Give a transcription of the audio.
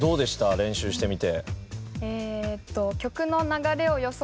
練習してみて。